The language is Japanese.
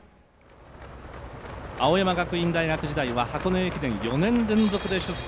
青山学院大学時代は、箱根駅伝４年連続で出走。